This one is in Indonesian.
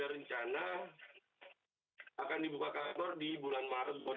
akan dibuka kantor di bulan maret dua ribu dua puluh dua